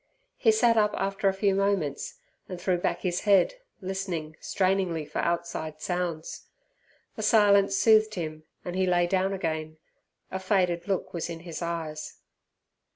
He sat up after a few moments, and threw back his head, listening strainingly for outside sounds. The silence soothed him, and he lay down again. A faded look was in his eyes.